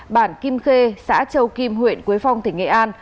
bản kim khê xã châu kim huyện quế phong tỉnh nghệ an